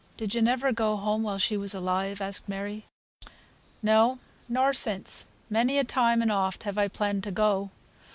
Did you never go home while she was alive?" asked Mary. "No, nor since. Many a time and oft have I planned to go.